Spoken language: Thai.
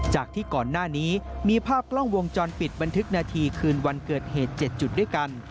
จากที่ก่อนหน้านี้มีภาพกล้องวงจรปิดบันทึกนาทีคืนวันเกิดเหตุ๗จุดด้วยกัน